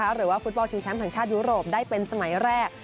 หรือว่าฟุตบอลชิงแชมป์แห่งชาติยุโรปได้เป็นสมัยแรก